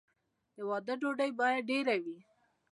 د واده ډوډۍ باید ډیره وي.